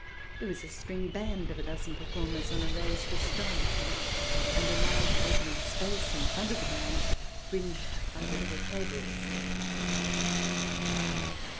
There was a string band of a dozen performers on a raised estrade, and a large open space in front of the band, fringed by the little tables.